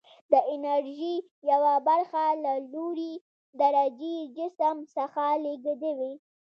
د انرژي یوه برخه له لوړې درجې جسم څخه لیږدوي.